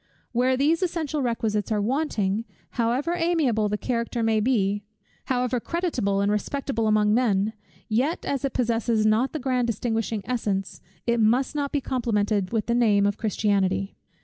Where these essential requisites are wanting, however amiable the character may be, however creditable and respectable among men; yet as it possesses not the grand distinguishing essence, it must not be complimented with the name, of Christianity.